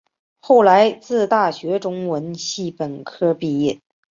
后来自大学中文系本科毕业。